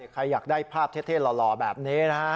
ใครอยากได้ภาพเท่หล่อแบบนี้นะฮะ